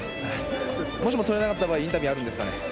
もしもとれなかった場合、インタビューあるんですかね？